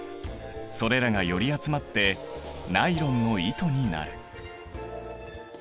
それらがより集まってナイロンの糸になる。